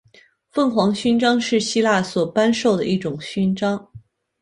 凤凰勋章是希腊所颁授的一种勋章。